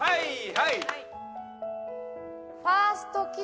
はい！